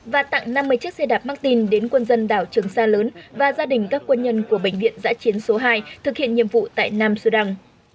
và tặng năm mươi chiếc xe đạp martin đến quân dân đảo trường sa lớn và gia đình các quân nhân của bệnh viện giã chiến số hai thực hiện nhiệm vụ tại nam sudan